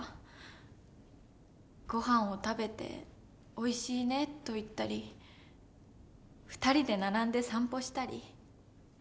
ごはんを食べて「おいしいね」と言ったり２人で並んで散歩したり。